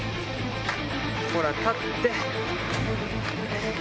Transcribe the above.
ほら立って！